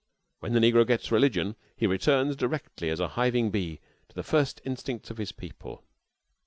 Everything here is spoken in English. When the negro gets religion he returns directly as a hiving bee to the first instincts of his people.